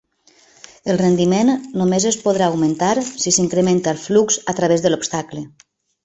El rendiment només es podrà augmentar si s'incrementa el flux a través de l'obstacle.